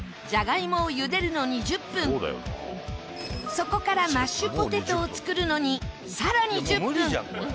そこからマッシュポテトを作るのに更に１０分。